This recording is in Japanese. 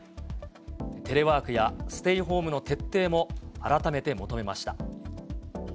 テレワークやステイホームの徹底も、改めて求めました。